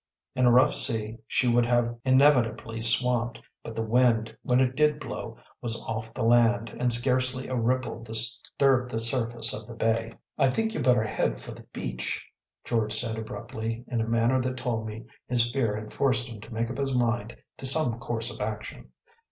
In a rough sea she would have inevitably swamped; but the wind, when it did blow, was off the land, and scarcely a ripple disturbed the surface of the bay. “I think you’d better head for the beach,‚ÄĚ George said abruptly, in a manner that told me his fear had forced him to make up his mind to some course of action.